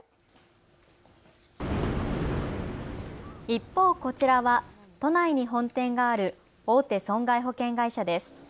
一方、こちらは都内に本店がある大手損害保険会社です。